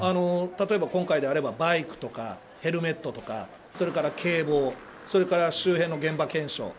例えば、今回であればバイクとかヘルメットとかそれから警棒それから周辺の現場検証